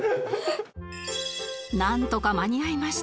なんとか間に合いました